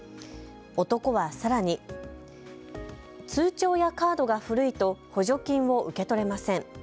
男はさらに通帳やカードが古いと補助金を受け取れません。